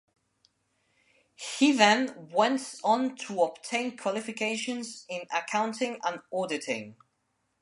He then went on to obtain qualifications in accounting and auditing.